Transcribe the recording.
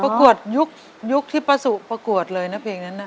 ประกวดยุคที่ป้าสุประกวดเลยนะเพลงนั้นน่ะ